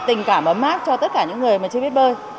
tình cảm ấm mát cho tất cả những người mà chưa biết bơi